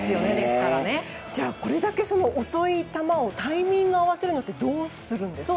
これだけ遅い球にタイミングを合わせるのってどうするんですか？